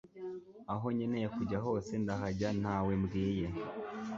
aho nkeneye kujya hose ndahajya ntawe mbwiye